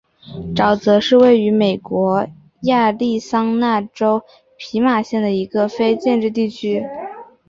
沼泽是位于美国亚利桑那州皮马县的一个非建制地区。